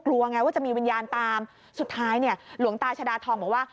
กลัวไงว่าจะมีวิญญาณตามสุดท้ายเนี่ยหลวงตาชดาทองบอกว่า